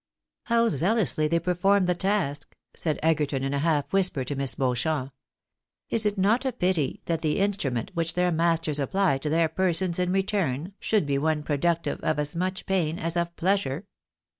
" How zealously they perform the task," said Egerton, in a half whisper to Miss Beauchamp. " Is it not a pity that the instrument which their masters apply to their persons in return, should be one productive of as much pain as of pleasure